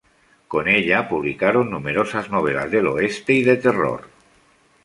Con ella publicaron numerosas novelas del oeste y de terror.